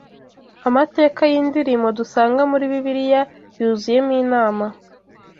Amateka y’indirimbo dusanga muri Bibiliya yuzuyemo inama